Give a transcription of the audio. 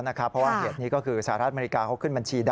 เพราะว่าเหตุนี้ก็คือสหรัฐอเมริกาเขาขึ้นบัญชี